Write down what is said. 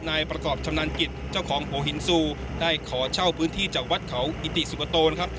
นายประกอบชำนาญกิจเจ้าของหัวหินซูได้ขอเช่าพื้นที่จากวัดเขากิติสุปโตนครับ